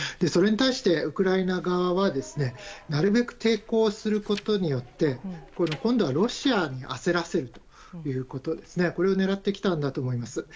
それに対して、ウクライナ側はなるべく抵抗することによって今度はロシアに焦らせるということこれを狙ってきたんだと思います。